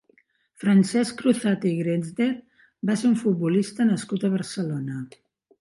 Francesc Cruzate i Grenzner va ser un futbolista nascut a Barcelona.